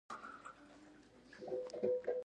د لون وولف ساینتیک کې څه ستونزه ده